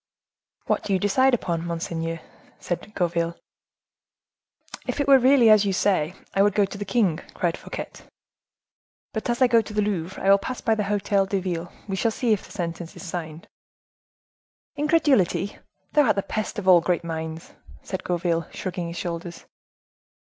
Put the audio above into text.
"What do you decide upon, monseigneur?" said Gourville. "If it were really as easy as you say, I would go to the king," cried Fouquet. "But as I go to the Louvre, I will pass by the Hotel de Ville. We shall see if the sentence is signed." "Incredulity! thou art the pest of all great minds," said Gourville, shrugging his shoulders.